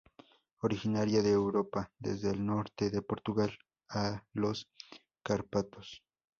Originaria de Europa desde el norte de Portugal a los Cárpatos.